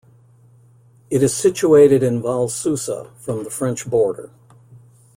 It is situated in Val Susa, from the French border.